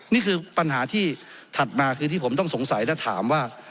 นี่คือปัญหาที่ถัดมาคือที่ผมต้องสงสัยและถามว่า